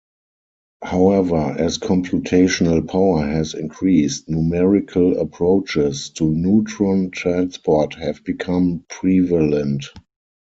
However, as computational power has increased, numerical approaches to neutron transport have become prevalent.